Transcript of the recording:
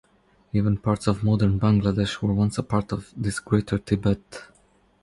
Even parts of modern Bangladesh were once a part of this Greater Tibet.